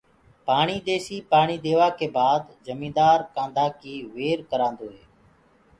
پاڻي ديسي پآڻي ديوآ ڪي بآد جميدآر ڪآنڌآ ڪي وير ڪروآندو هي.